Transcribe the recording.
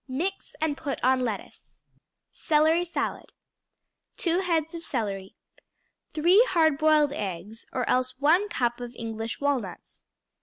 Mix and put on lettuce. Celery Salad 2 heads of celery. 3 hard boiled eggs (or else 1 cup of English walnuts).